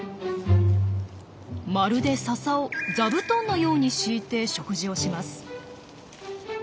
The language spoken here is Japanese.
まるでササを座布団のように敷いて食事をします。